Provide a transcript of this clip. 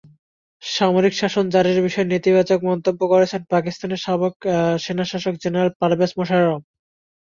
সামরিক শাসন জারির বিষয়ে নেতিবাচক মন্তব্য করেছেন পাকিস্তানের সাবেক সেনাশাসক জেনারেল পারভেজ মোশাররফ।